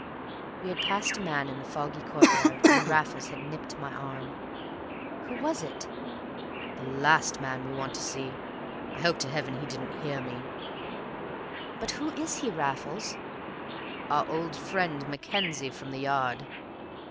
We had passed a man in the foggy courtyard, and Raffles had nipped my arm. "Who was it?" "The last man we want to see! I hope to heaven he didn't hear me!" "But who is he, Raffles?" "Our old friend Mackenzie, from the Yard!"